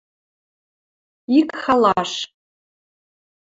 ик халаш